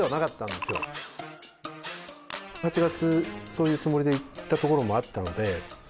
８月そういうつもりで行ったところもあったので。